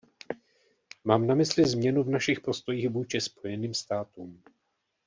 Mám na mysli změnu v našich postojích vůči Spojeným státům.